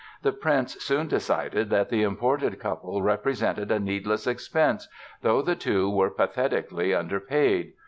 The Prince soon decided that the imported couple represented a needless expense, though the two were pathetically underpaid.